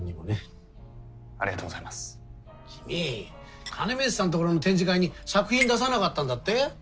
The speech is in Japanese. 君金光さんところの展示会に作品出さなかったんだって？